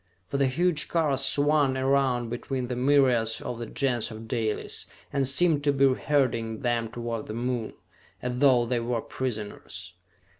For the huge cars swung around between the myriads of the Gens of Dalis, and seemed to be herding them toward the Moon, as though they were prisoners.